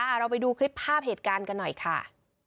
เราไปดูคลิปภาพเหตุการณ์กันหน่อยค่ะ